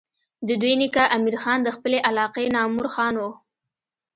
د دوي نيکه امير خان د خپلې علاقې نامور خان وو